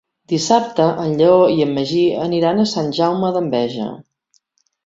Dissabte en Lleó i en Magí aniran a Sant Jaume d'Enveja.